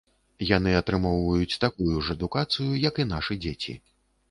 Яны атрымоўваюць такую ж адукацыю, як і нашы дзеці.